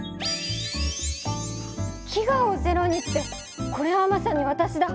「飢餓をゼロに」ってこれはまさにわたしだ！